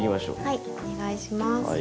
はいお願いします。